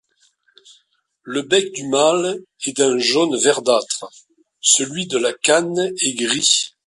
Le bec du mâle est d'un jaune verdâtre, celui de la cane est gris.